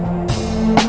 pergi berpikir pikir keras